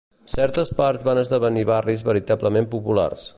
Certes parts van esdevenir barris veritablement populars.